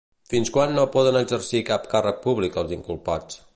Fins quan no poden exercir cap càrrec públic els inculpats?